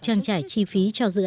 trang trải chi phí cho dự án